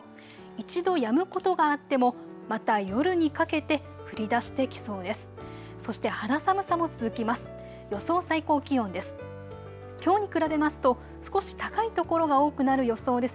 一度やむことがあってもまた夜にかけて降りだしてきそうです。